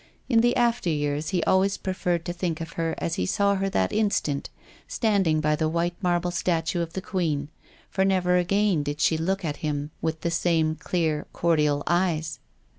In the after years he always preferred to think of her as he saw her that instant, standing by the white marble statue of the Queen, for never again did she look at him with the same clear, cordial eyes.